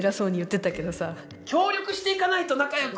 協力していかないと仲よく。